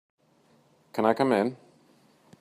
Can I come in?